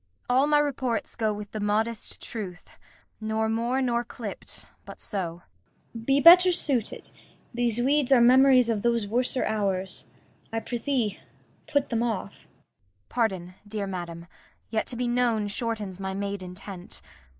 All my reports go with the modest truth; Nor more nor clipp'd, but so. Cor. Be better suited. These weeds are memories of those worser hours. I prithee put them off. Kent. Pardon, dear madam. Yet to be known shortens my made intent.